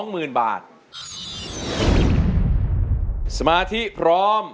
ไม่ใช้ครับไม่ใช้ครับ